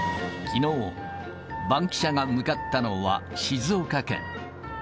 きのう、バンキシャが向かったのは、静岡県。